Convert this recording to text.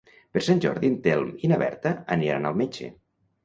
Per Sant Jordi en Telm i na Berta aniran al metge.